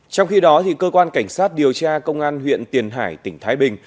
trong khi đó cơ quan cảnh sát điều tra công an huyện tiền hải tỉnh thái bình